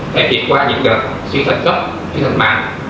phải việt qua những đợt xuyên thần cấp xuyên thần mạng